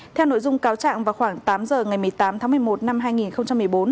theo nội dung cáo trạng vào khoảng tám giờ ngày một mươi tám tháng một mươi một năm hai nghìn một mươi bốn